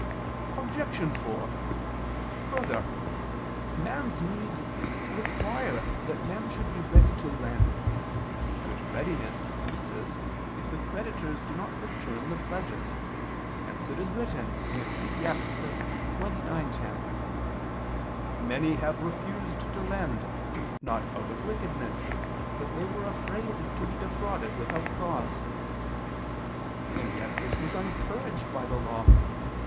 Obj. 4: Further, man's needs require that men should be ready to lend: which readiness ceases if the creditors do not return the pledges: hence it is written (Ecclus. 29:10): "Many have refused to lend, not out of wickedness, but they were afraid to be defrauded without cause." And yet this was encouraged by the Law.